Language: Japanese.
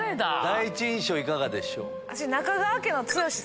第一印象いかがでしょう？